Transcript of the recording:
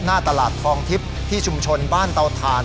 หน้าตลาดทองทิพย์ที่ชุมชนบ้านเตาถ่าน